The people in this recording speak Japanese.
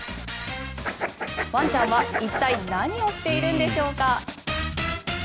ワンちゃんは一体、何をしているんでしょうか。